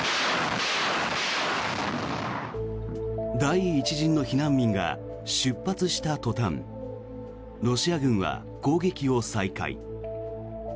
第１陣の避難民が出発した途端ロシア軍は攻撃を再開。